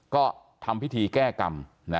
ก็ทำพิธีแก้กรรม